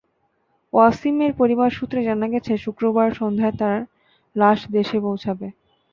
ওয়াসিমের পরিবার সূত্রে জানা গেছে, শুক্রবার সন্ধ্যায় তাঁর লাশ দেশে পৌঁছাবে।